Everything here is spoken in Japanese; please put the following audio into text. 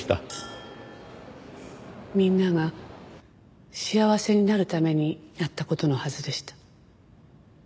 みんなが幸せになるためにやった事のはずでした。